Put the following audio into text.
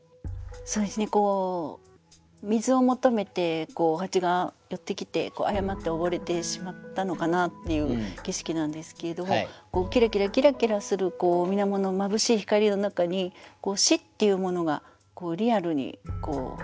そうですね水を求めて蜂が寄ってきて誤って溺れてしまったのかなっていう景色なんですけれどもキラキラキラキラするみなものまぶしい光の中に「死」っていうものがリアルに。